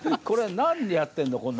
これは何でやってるの？